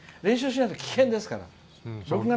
練習しないと危険ですから。